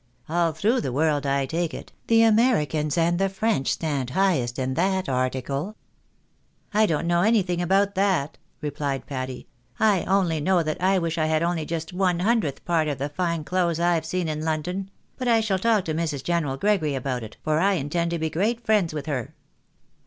All through the world, I take it, the Americans and the French stand highest in that article." " I don't know anything about that," replied Patty, " I only know that' I wish I had only just one hundredth part of the fine clothes I've seen in London : but I shall talk to Llrs. General Gregory about it, for I intend to be great friends with her."